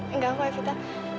enggak aku evita